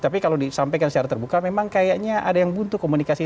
tapi kalau disampaikan secara terbuka memang kayaknya ada yang butuh komunikasi